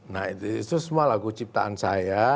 nah itu semua lagu ciptaan saya